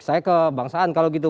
saya ke bang saan kalau gitu